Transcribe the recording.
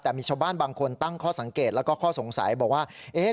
แต่มีชาวบ้านบางคนตั้งข้อสังเกตแล้วก็ข้อสงสัยบอกว่า